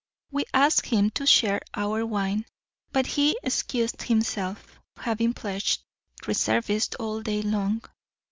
We asked him to share our wine; but he excused himself, having pledged reservists all day long.